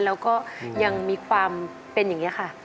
แล้วก็อย่างมีความเป็นอย่างเงี้ยคะ